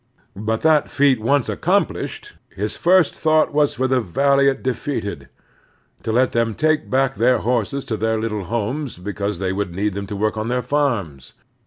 But that feat once ac compUshed, his first thought was for the valiant defeated; to let them take back their horses to their little homes because they wotild need them to work on their farms.